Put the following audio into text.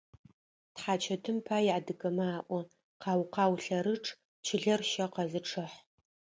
Тхьачэтым пай адыгэмэ alo: «Къау-къау лъэрычъ, чылэр щэ къэзычъыхь».